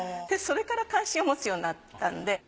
でそれから関心を持つようになったんで。